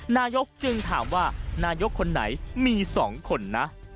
นายกจึงถามว่านายกคนไหนมี๒คนนะ